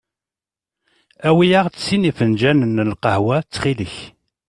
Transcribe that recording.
Awi-aɣ-d sin ifenǧalen n lqahwa ttxil-k.